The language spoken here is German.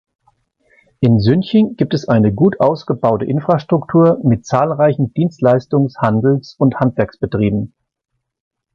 In Sünching gibt es eine gut ausgebaute Infrastruktur mit zahlreichen Dienstleistungs-, Handels- und Handwerksbetrieben.